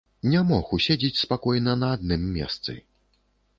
Не мог уседзець спакойна на адным месцы.